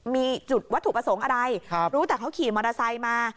มีจุดวัตถุประสงค์อะไรรู้แต่เขาขี่มอเตอร์ไซค์มา